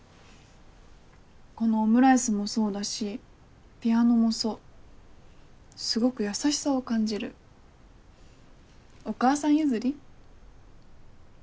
このオムライスもそうだしピアノもそうすごく優しさを感じるお母さん譲り？